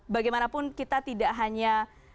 bagaimanapun kita tidak hanya